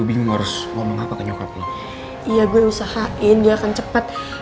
iya gue usahain dia akan cepet